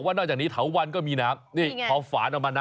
มันจะอิ่มไหม